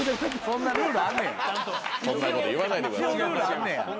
そんなこと言わないで。